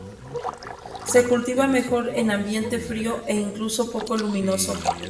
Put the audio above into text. Se cultiva mejor en ambiente frío e incluso poco luminoso.